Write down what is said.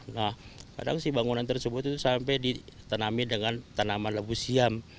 nah kadang si bangunan tersebut itu sampai ditanami dengan tanaman labu siam